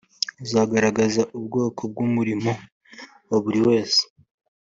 uzagaragaze ubwoko bw’ umurimo wa buri wese .